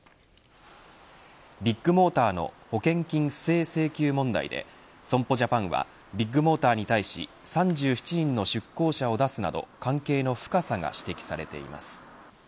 ビッグモーターの保険金不正請求問題で損保ジャパンはビッグモーターに対し３７人の出向者を出すなど関係の深さが指摘されています。